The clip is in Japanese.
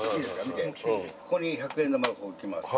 見てここに１００円玉を置きます。